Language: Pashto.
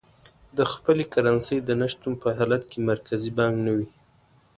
د خپلې کرنسۍ د نه شتون په حالت کې مرکزي بانک نه وي.